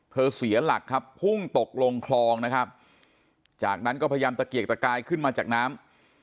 เสียหลักครับพุ่งตกลงคลองนะครับจากนั้นก็พยายามตะเกียกตะกายขึ้นมาจากน้ำ